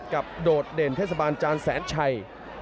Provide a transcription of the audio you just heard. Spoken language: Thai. กับโดดดนเทศบาลจาญแสนชัย